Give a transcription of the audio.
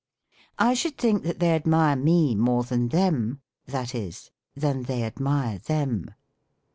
" I should think that they admire me more than them," that is, "than they admire them."